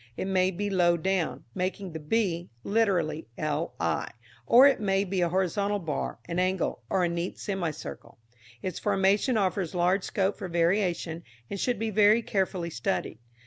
It may be low down, making the b literally li, or it may be a horizontal bar, an angle, or a neat semicircle. Its formation offers large scope for variation, and should be very carefully studied.